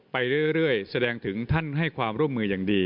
ไปเรื่อยแสดงถึงท่านให้ความร่วมมืออย่างดี